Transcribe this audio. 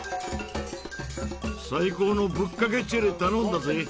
最高のぶっかけチェレ頼んだぜ。